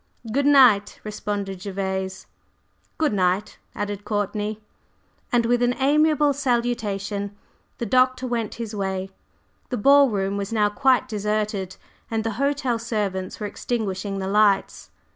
"Good night!" responded Gervase. "Good night!" added Courtney. And with an amiable salutation the Doctor went his way. The ball room was now quite deserted, and the hotel servants were extinguishing the lights.